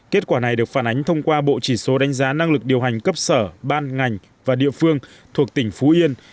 kết quả này được phản ánh thông qua bộ chỉ số đánh giá năng lực điều hành cấp sở ban ngành và địa phương thuộc tỉnh phú yên